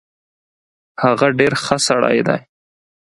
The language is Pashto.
هغه ډیر خه سړی دی